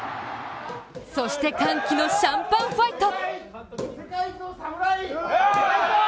そして歓喜のシャンパンファイト。